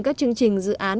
các chương trình dự án